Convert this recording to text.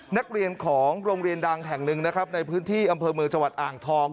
นักเรียนของโรงเรียนดังแห่งหนึ่งนะครับในพื้นที่อำเภอเมืองจังหวัดอ่างทอง